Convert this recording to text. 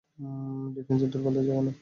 ডিফেন্সে দুর্বলদের জায়গা নেই।